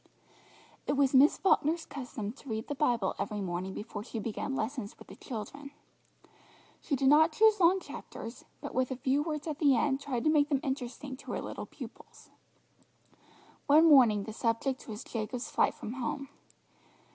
It was Miss Falkner's custom to read the Bible every morning before she began lessons with the children. She did not choose long chapters, but with a few words at the end tried to make them interesting to her little pupils. One morning the subject was Jacob's flight from home.